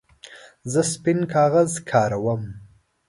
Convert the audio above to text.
زه سپین کاغذ کاروم.